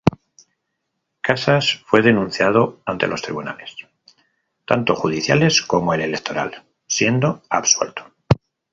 Casas fue denunciado ante los tribunales tanto judiciales como el electoral, siendo absuelto.